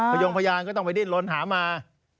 ยงพยานก็ต้องไปดิ้นล้นหามา